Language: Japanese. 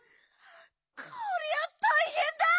こりゃたいへんだ！